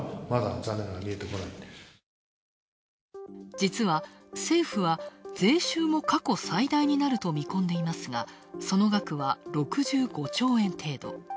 実は政府は、税収も過去最大になると見込んでいますが、その額は６５兆円程度。